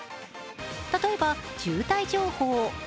例えば渋滞情報。